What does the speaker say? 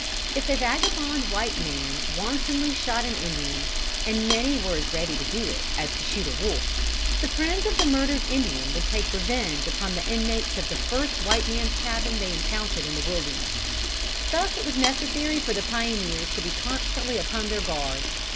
If a vagabond white man wantonly shot an Indian and many were as ready to do it as to shoot a wolf the friends of the murdered Indian would take revenge upon the inmates of the first white man's cabin they encountered in the wilderness. Thus it was necessary for the pioneers to be constantly upon their guard.